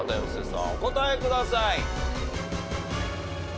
お答えください。